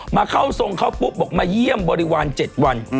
มาเข้าทรงเขาปุ๊บบอกมาเยี่ยมบริวาร๗วัน